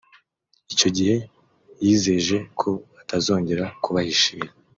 Icyo gihe yizeje ko atazongera kubahishira